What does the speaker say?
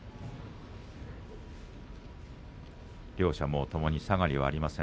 両者もうともに下がりはありません。